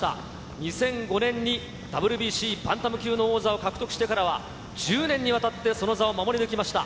２００５年にＷＢＣバンタム級の王座を獲得してから１０年にわたって、その座を守り抜きました。